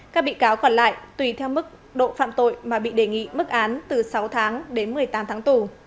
các bị cáo còn lại tùy theo mức độ phạm tội mà bị đề nghị mức án từ sáu tháng đến một mươi tám tháng tù